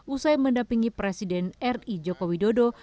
usai mendampingi presiden ri jokowi dodo